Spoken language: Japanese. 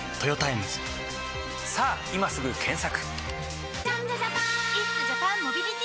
さぁ今すぐ検索！